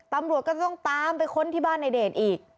ตำรวจก็จะต้องตามไปค้นที่บ้านในเดชอีก